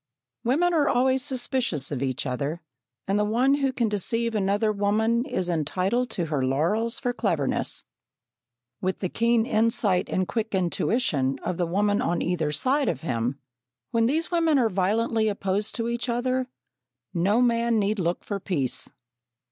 Women are always suspicious of each other, and the one who can deceive another woman is entitled to her laurels for cleverness. With the keen insight and quick intuition of the woman on either side of him, when these women are violently opposed to each other, no man need look for peace.